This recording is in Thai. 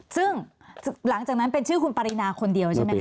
ซึ่งหลังจากนั้นเป็นชื่อคุณปรินาคนเดียวใช่ไหมคะ